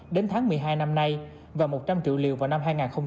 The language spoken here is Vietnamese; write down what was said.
đến tháng một mươi hai năm nay và một trăm linh triệu liều vào năm hai nghìn hai mươi